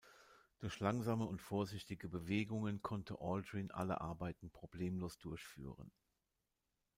Durch langsame und vorsichtige Bewegungen konnte Aldrin alle Arbeiten problemlos durchführen.